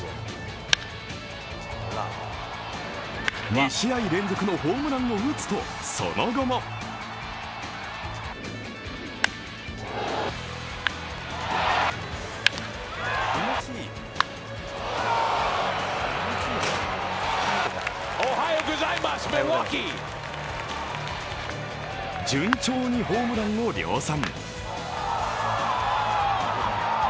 ２試合連続のホームランを打つとその後も順調にホームランを量産。